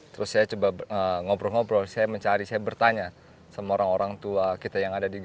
terus saya coba ngobrol ngobrol saya mencari saya bertanya sama orang orang tua kita